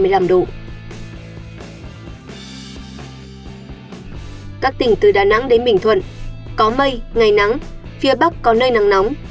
khu vực tây nguyên có mây ngày nắng có nơi có nắng nóng